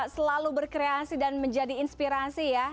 selalu berkreasi dan menjadi inspirasi ya